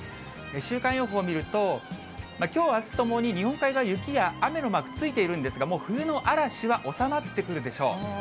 週間予報を見ると、きょう、あすともに日本海側、雪や雨のマーク、ついているんですが、もう冬の嵐は収まってくるでしょう。